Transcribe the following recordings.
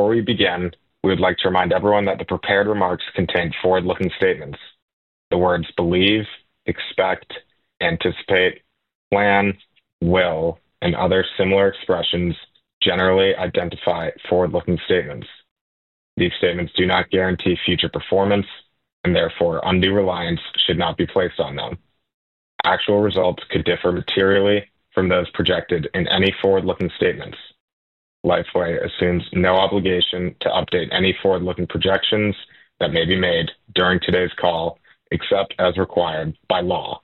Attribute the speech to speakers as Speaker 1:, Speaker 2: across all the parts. Speaker 1: Before we begin, we would like to remind everyone that the prepared remarks contain forward-looking statements. The words "believe," "expect," "anticipate," "plan," "will," and other similar expressions generally identify forward-looking statements. These statements do not guarantee future performance, and therefore undue reliance should not be placed on them. Actual results could differ materially from those projected in any forward-looking statements. Lifeway Foods and Julie Smolyansky assume no obligation to update any forward-looking projections that may be made during today's call, except as required by law.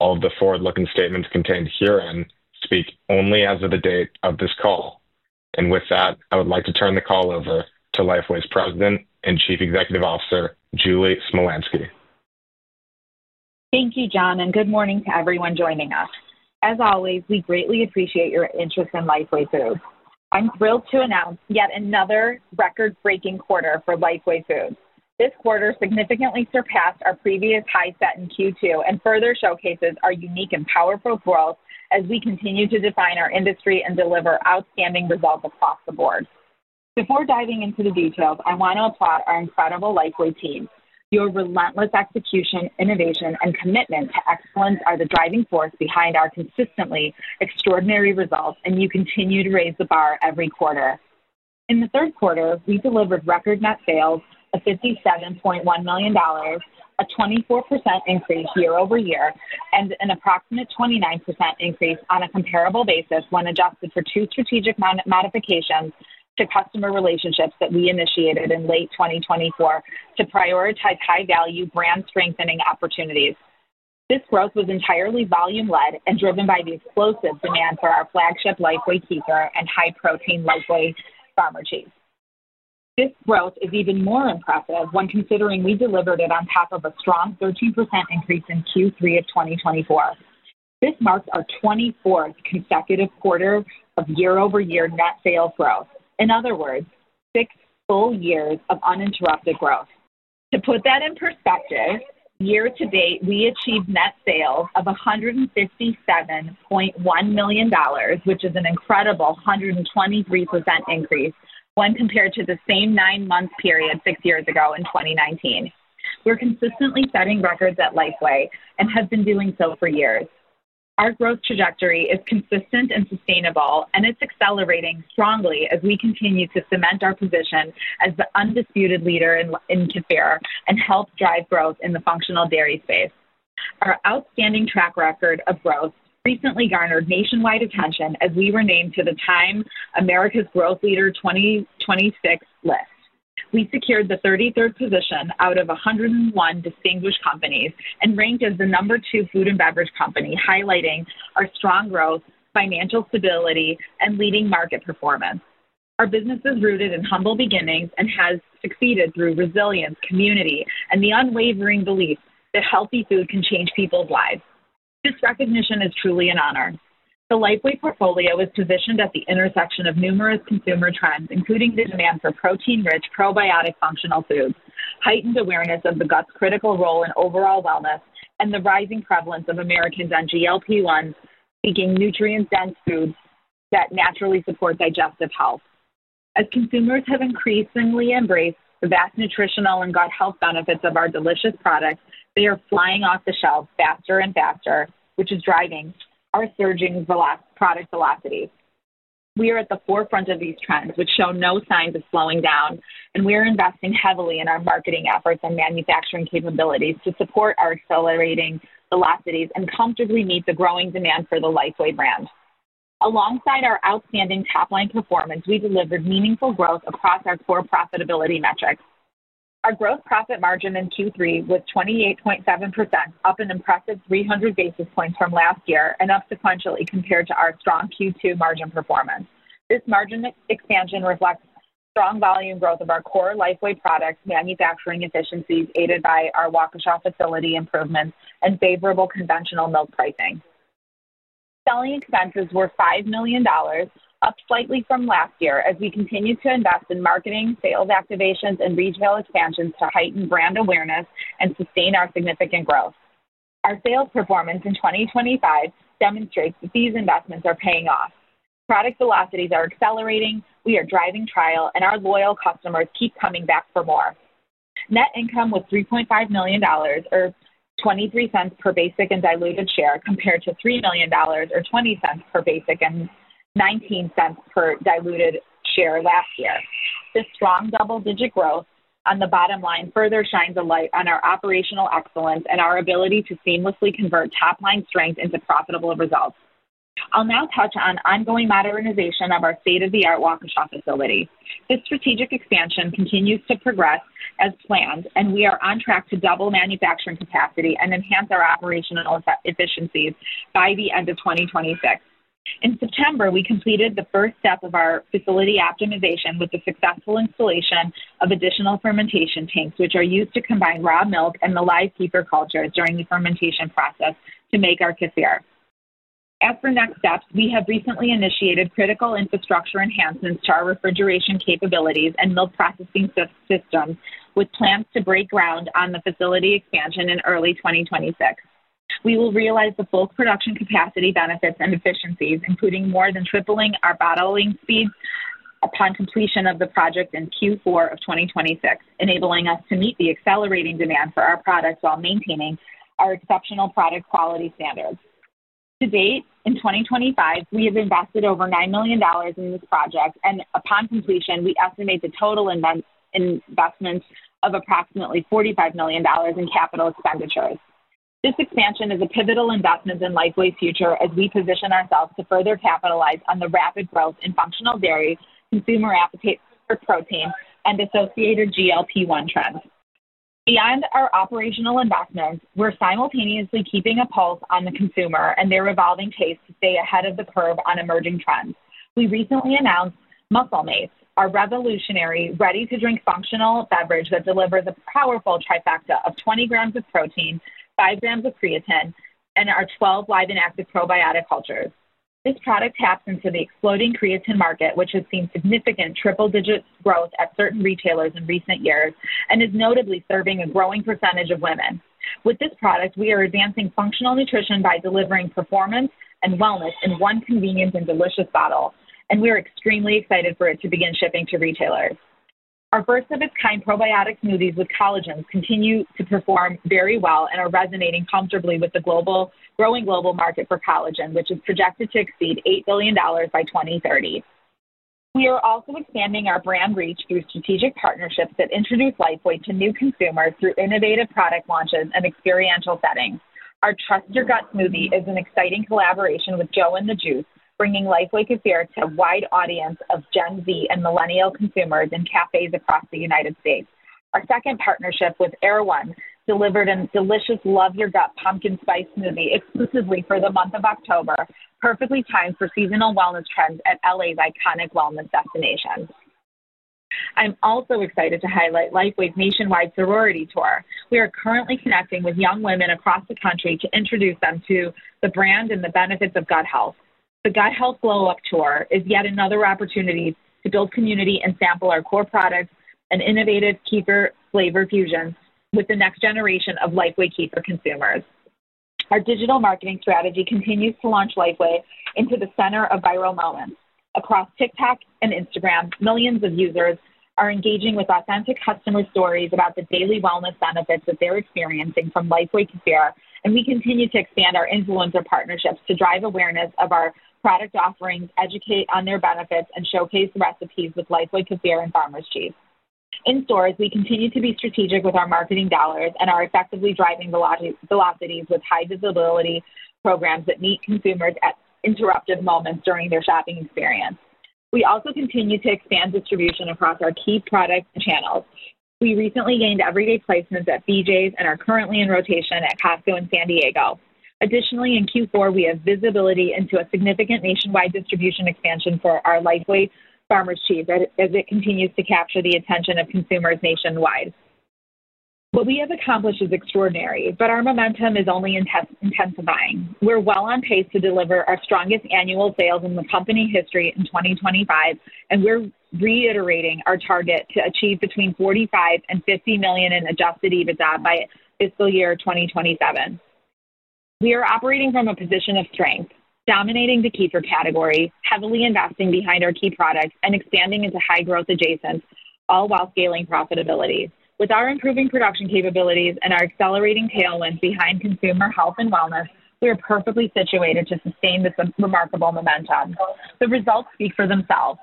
Speaker 1: All of the forward-looking statements contained herein speak only as of the date of this call. With that, I would like to turn the call over to Lifeway Foods' President and Chief Executive Officer, Julie Smolyansky.
Speaker 2: Thank you, John, and good morning to everyone joining us. As always, we greatly appreciate your interest in Lifeway Foods. I'm thrilled to announce yet another record-breaking quarter for Lifeway Foods. This quarter significantly surpassed our previous high set in Q2 and further showcases our unique and powerful growth as we continue to define our industry and deliver outstanding results across the board. Before diving into the details, I want to applaud our incredible Lifeway team. Your relentless execution, innovation, and commitment to excellence are the driving force behind our consistently extraordinary results, and you continue to raise the bar every quarter. In the third quarter, we delivered record net sales, a $57.1 million, a 24% increase year-over-year, and an approximate 29% increase on a comparable basis when adjusted for two strategic modifications to customer relationships that we initiated in late 2024 to prioritize high-value brand strengthening opportunities. This growth was entirely volume-led and driven by the explosive demand for our flagship Lifeway kefir and high-protein Lifeway Farmer Cheese. This growth is even more impressive when considering we delivered it on top of a strong 13% increase in Q3 of 2024. This marks our 24th consecutive quarter of year-over-year net sales growth. In other words, six full years of uninterrupted growth. To put that in perspective, year to date, we achieved net sales of $157.1 million, which is an incredible 123% increase when compared to the same nine-month period six years ago in 2019. We're consistently setting records at Lifeway and have been doing so for years. Our growth trajectory is consistent and sustainable, and it's accelerating strongly as we continue to cement our position as the undisputed leader in kefir and help drive growth in the functional dairy space. Our outstanding track record of growth recently garnered nationwide attention as we were named to the TIME America's Growth Leader 2026 list. We secured the 33rd position out of 101 distinguished companies and ranked as the number two food and beverage company, highlighting our strong growth, financial stability, and leading market performance. Our business is rooted in humble beginnings and has succeeded through resilience, community, and the unwavering belief that healthy food can change people's lives. This recognition is truly an honor. The Lifeway portfolio is positioned at the intersection of numerous consumer trends, including the demand for protein-rich, probiotic functional foods, heightened awareness of the gut's critical role in overall wellness, and the rising prevalence of Americans on GLP-1, seeking nutrient-dense foods that naturally support digestive health. As consumers have increasingly embraced the vast nutritional and gut health benefits of our delicious products, they are flying off the shelf faster and faster, which is driving our surging product velocities. We are at the forefront of these trends, which show no signs of slowing down, and we are investing heavily in our marketing efforts and manufacturing capabilities to support our accelerating velocities and comfortably meet the growing demand for the Lifeway brand. Alongside our outstanding top-line performance, we delivered meaningful growth across our core profitability metrics. Our gross profit margin in Q3 was 28.7%, up an impressive 300 basis points from last year, and up sequentially compared to our strong Q2 margin performance. This margin expansion reflects strong volume growth of our core Lifeway products, manufacturing efficiencies aided by our Waukesha facility improvements, and favorable conventional milk pricing. Selling expenses were $5 million, up slightly from last year, as we continue to invest in marketing, sales activations, and retail expansions to heighten brand awareness and sustain our significant growth. Our sales performance in 2025 demonstrates that these investments are paying off. Product velocities are accelerating, we are driving trial, and our loyal customers keep coming back for more. Net income was $3.5 million, or $0.23 per basic and diluted share, compared to $3 million, or $0.20 per basic and $0.19 per diluted share last year. This strong double-digit growth on the bottom line further shines a light on our operational excellence and our ability to seamlessly convert top-line strength into profitable results. I'll now touch on ongoing modernization of our state-of-the-art Waukesha facility. This strategic expansion continues to progress as planned, and we are on track to double manufacturing capacity and enhance our operational efficiencies by the end of 2026. In September, we completed the first step of our facility optimization with the successful installation of additional fermentation tanks, which are used to combine raw milk and the live kefir cultures during the fermentation process to make our kefir. As for next steps, we have recently initiated critical infrastructure enhancements to our refrigeration capabilities and milk processing systems, with plans to break ground on the facility expansion in early 2026. We will realize the full production capacity benefits and efficiencies, including more than tripling our bottling speeds upon completion of the project in Q4 of 2026, enabling us to meet the accelerating demand for our products while maintaining our exceptional product quality standards. To date, in 2025, we have invested over $9 million in this project, and upon completion, we estimate the total investment of approximately $45 million in capital expenditures. This expansion is a pivotal investment in Lifeway's future as we position ourselves to further capitalize on the rapid growth in functional dairy, consumer appetite for protein, and associated GLP-1 trends. Beyond our operational investments, we're simultaneously keeping a pulse on the consumer and their evolving taste to stay ahead of the curve on emerging trends. We recently announced Muscle Mace, our revolutionary, ready-to-drink functional beverage that delivers a powerful trifecta of 20 grams of protein, 5 grams of creatine, and our 12 live and active probiotic cultures. This product taps into the exploding creatine market, which has seen significant triple-digit growth at certain retailers in recent years and is notably serving a growing percentage of women. With this product, we are advancing functional nutrition by delivering performance and wellness in one convenient and delicious bottle, and we are extremely excited for it to begin shipping to retailers. Our first-of-its-kind probiotic smoothies with collagen continue to perform very well and are resonating comfortably with the growing global market for collagen, which is projected to exceed $8 billion by 2030. We are also expanding our brand reach through strategic partnerships that introduce Lifeway to new consumers through innovative product launches and experiential settings. Our Trust Your Gut smoothie is an exciting collaboration with Joe & The Juice, bringing Lifeway kefir to a wide audience of Gen Z and millennial consumers in cafes across the United States. Our second partnership with Erewhon delivered a delicious Love Your Gut Pumpkin Spice Smoothie exclusively for the month of October, perfectly timed for seasonal wellness trends at L.A' iconic wellness destinations. I'm also excited to highlight Lifeway's nationwide sorority tour. We are currently connecting with young women across the country to introduce them to the brand and the benefits of gut health. The Gut Health Glow Up Tour is yet another opportunity to build community and sample our core products and innovative kefir flavor fusions with the next generation of Lifeway kefir consumers. Our digital marketing strategy continues to launch Lifeway into the center of viral moments. Across TikTok and Instagram, millions of users are engaging with authentic customer stories about the daily wellness benefits that they're experiencing from Lifeway kefir, and we continue to expand our influencer partnerships to drive awareness of our product offerings, educate on their benefits, and showcase recipes with Lifeway kefir and Farmer Cheese. In stores, we continue to be strategic with our marketing dollars and are effectively driving velocities with high visibility programs that meet consumers at interruptive moments during their shopping experience. We also continue to expand distribution across our key product channels. We recently gained everyday placements at BJ's and are currently in rotation at Costco in San Diego. Additionally, in Q4, we have visibility into a significant nationwide distribution expansion for our Lifeway Farmer Cheese as it continues to capture the attention of consumers nationwide. What we have accomplished is extraordinary, but our momentum is only intensifying. We're well on pace to deliver our strongest annual sales in the company history in 2025, and we're reiterating our target to achieve between $45 and $50 million in adjusted EBITDA by fiscal year 2027. We are operating from a position of strength, dominating the kefir category, heavily investing behind our key products, and expanding into high-growth adjacents, all while scaling profitability. With our improving production capabilities and our accelerating tailwinds behind consumer health and wellness, we are perfectly situated to sustain this remarkable momentum. The results speak for themselves,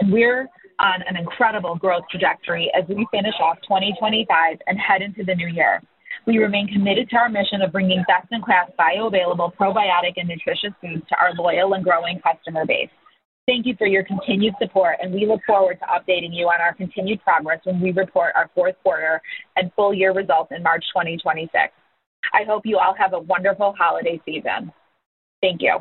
Speaker 2: and we're on an incredible growth trajectory as we finish off 2025 and head into the new year. We remain committed to our mission of bringing best-in-class bioavailable probiotic and nutritious foods to our loyal and growing customer base. Thank you for your continued support, and we look forward to updating you on our continued progress when we report our fourth quarter and full year results in March 2026. I hope you all have a wonderful holiday season. Thank you.